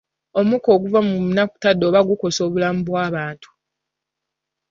Omukka okuva mu munakutadooba gukosa obulamu bw'abantu.